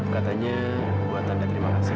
katanya buat anda terima kasih